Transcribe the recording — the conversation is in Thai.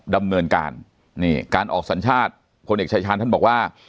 ดำเนินการนี่การออกสัญชาติพลเอกชายชาญท่านบอกว่า